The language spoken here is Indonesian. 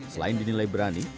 selain dinilai berani